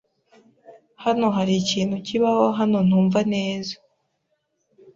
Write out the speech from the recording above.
Hano hari ikintu kibaho hano ntumva neza.